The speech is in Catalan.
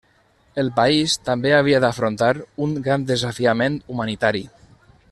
El país també havia d'afrontar un gran desafiament humanitari.